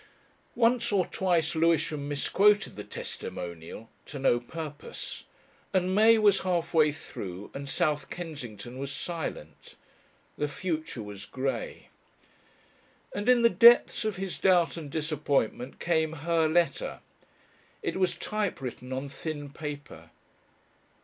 Once or twice Lewisham misquoted the testimonial to no purpose. And May was halfway through, and South Kensington was silent. The future was grey. And in the depths of his doubt and disappointment came her letter. It was typewritten on thin paper.